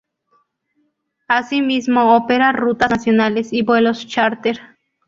Asimismo opera rutas nacionales y vuelos chárter.